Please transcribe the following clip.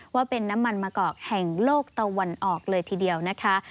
ว่าเป็นน้ำมันมะกอกแห่งโลกตะวันออกเลยทีเดียวนะคะ